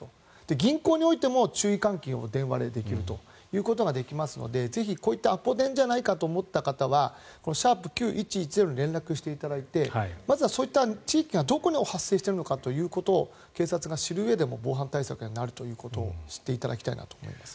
銀行においても注意喚起を電話でできるということができますのでぜひこういったアポ電じゃないかと思った方は「＃９１１０」に連絡していただいてまずはそういった地域がどこに発生しているのかを警察が知るうえでも防犯対策になるということを知っていただきたいと思います。